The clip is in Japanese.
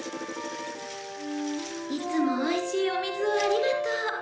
いつもおいしいお水をありがとう。